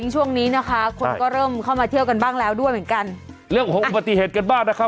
ช่วงนี้นะคะคนก็เริ่มเข้ามาเที่ยวกันบ้างแล้วด้วยเหมือนกันเรื่องของอุบัติเหตุกันบ้างนะคะ